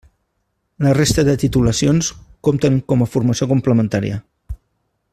La resta de titulacions compten com a formació complementària.